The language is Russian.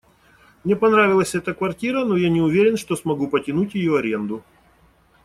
Мне понравилась эта квартира, но я не уверен, что смогу потянуть её аренду.